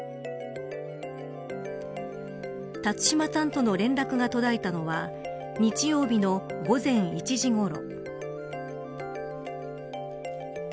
辰島さんとの連絡が途絶えたのは日曜日の午前１時ごろ。